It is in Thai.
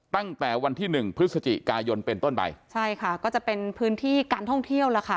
ตั้งแต่วันที่หนึ่งพฤศจิกายนเป็นต้นไปใช่ค่ะก็จะเป็นพื้นที่การท่องเที่ยวแล้วค่ะ